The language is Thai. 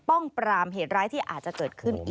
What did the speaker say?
ป้องปรามเหตุร้ายที่อาจจะเกิดขึ้นอีก